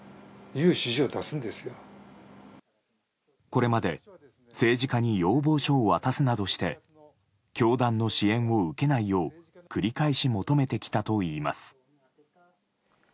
これまで政治家に要望書を渡すなどして教団の支援を受けないよう繰り返し求めてきたといいます。